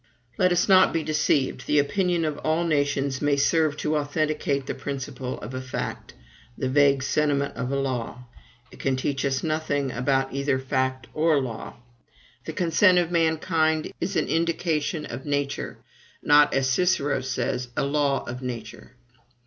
Let us not be deceived: the opinion of all nations may serve to authenticate the perception of a fact, the vague sentiment of a law; it can teach us nothing about either fact or law. The consent of mankind is an indication of Nature; not, as Cicero says, a law of Nature.